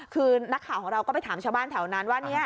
คือนักข่าวของเราก็ไปถามชาวบ้านแถวนั้นว่า